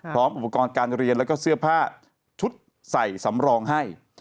พร้อมอุปกรณ์การเรียนแล้วก็เสื้อผ้าชุดใส่สำรองให้